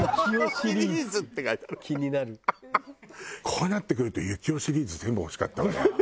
こうなってくるとゆきおシリーズ全部欲しかったわね。